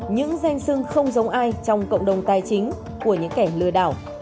những danh sưng không giống ai trong cộng đồng tài chính của những kẻ lừa đảo